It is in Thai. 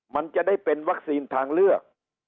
มันจะได้เป็นวัคซีนทางเลือก